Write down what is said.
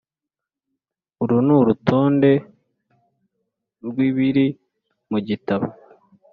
uru n'urutonde rw'ibiri mu gitabo